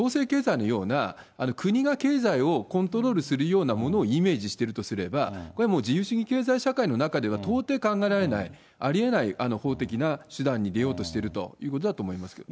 経済のような、国が経済をコントロールするようなものをイメージしてるとすれば、これはもう自由主義経済社会の中では、到底考えられない、ありえない法的な手段に出ようとしてるということだと思います。